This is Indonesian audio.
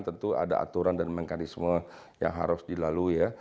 tentu ada aturan dan mekanisme yang harus dilalui ya